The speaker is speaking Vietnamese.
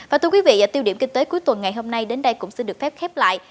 và thưa quý vị tiêu điểm kinh tế cuối tuần ngày hôm nay đến đây cũng xin được phép khép lại